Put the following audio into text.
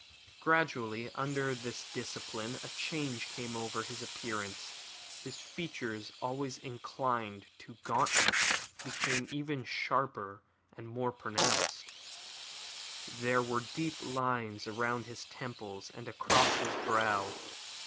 Gradually under this discipline a change came over his appearance. His features, always inclined to gauntness, became even sharper and more pronounced. There were deep lines about his temples and across his brow.